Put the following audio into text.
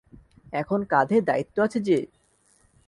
এখন কাঁধে দায়িত্ব আছে যে।